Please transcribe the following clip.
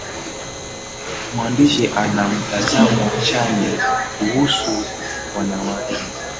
Mwandishi ana mtazamo chanya kuhusu wanawake